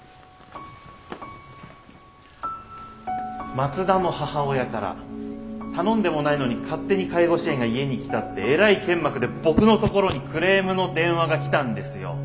松田の母親から頼んでもないのに勝手に介護支援が家に来たってえらい剣幕で僕のところにクレームの電話が来たんですよ。